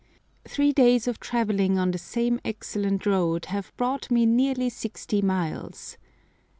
THREE days of travelling on the same excellent road have brought me nearly 60 miles.